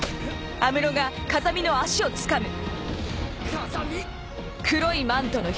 風見！